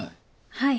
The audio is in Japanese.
はい。